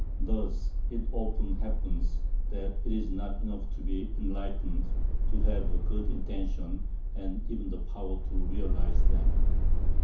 Thus it often happens that it is not enough to be enlightened, to have good intentions, and even the power to realize them.